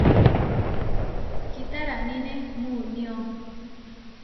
Kitaraníne muunío.